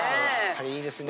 いいですね。